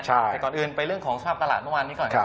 แต่ก่อนอื่นไปเรื่องของสภาพตลาดเมื่อวานนี้ก่อน